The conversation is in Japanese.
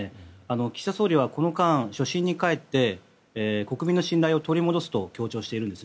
岸田総理は、この間初心に帰って国民の信頼を取り戻すと強調しているんです。